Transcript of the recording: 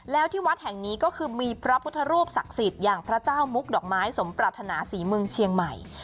แล้วที่วัดแห่งนี้ก็คือมีพระพุทธรูปศักดิ์สิทธิ์อย่างพระเจ้ามุกดอกไม้สมปรารถนาศรีเมืองเชียงใหม่